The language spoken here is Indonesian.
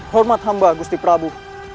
hormat hamba gusti prabu